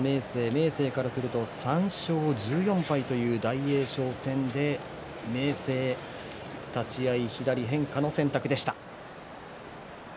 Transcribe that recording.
明生からすると３勝１４敗という大栄翔戦で明生が立ち合い左変化の選択でした。